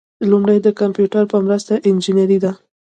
لومړی د کمپیوټر په مرسته انجنیری ده.